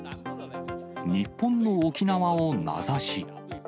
日本の沖縄を名指し。